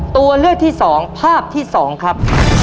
ตัวเลือกที่สองภาพที่สองครับ